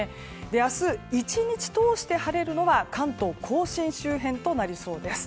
明日、１日通して晴れるのは関東・甲信周辺となりそうです。